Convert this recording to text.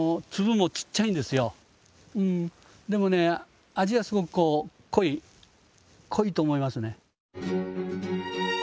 でもね味はすごくこう濃い濃いと思いますね。